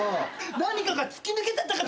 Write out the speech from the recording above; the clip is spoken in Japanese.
何かが突き抜けてったかと。